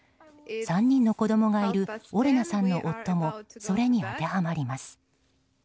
３人の子供がいるオレナさんの夫もそれに当てはまります。